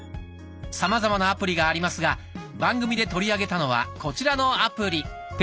さまざまなアプリがありますが番組で取り上げたのはこちらのアプリ。